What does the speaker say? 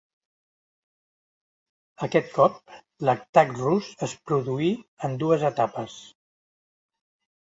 Aquest cop, l'atac rus es produí en dues etapes.